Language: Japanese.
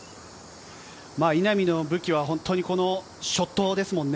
稲見の武器はショットですもんね。